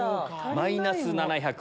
マイナス７００。